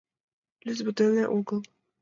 — Лӱдмӧ дене огыл...